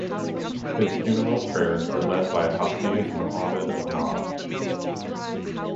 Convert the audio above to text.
His funeral prayers were led by Hafiz Muhammad Ahmad.